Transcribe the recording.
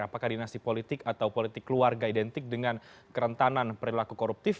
apakah dinasti politik atau politik keluarga identik dengan kerentanan perilaku koruptif